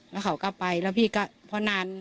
แล้วเขาก็ไปแล้วพี่ก็พอนาน